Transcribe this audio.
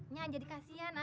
nya jadi kasihan amin ya anak